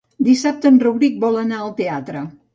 Dissabte en Rauric vol anar al teatre.